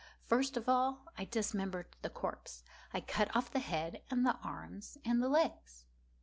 First of all I dismembered the corpse. I cut off the head and the arms and the legs.